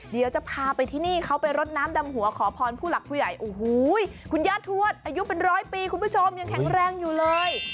เดี๋ยวจะพาไปที่นี่เขาไปรดน้ำดำหัวขอพรผู้หลักผู้ใหญ่โอ้โหคุณย่าทวดอายุเป็นร้อยปีคุณผู้ชมยังแข็งแรงอยู่เลย